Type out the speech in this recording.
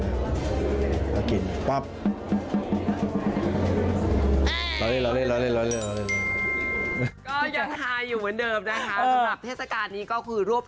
มากินป๊อป